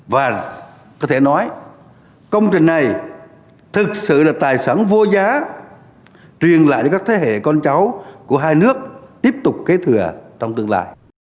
và có thể nói công trình này thực sự là tài sản vô giá truyền lại cho các thế hệ con cháu của hai nước tiếp tục kế thừa trong tương lai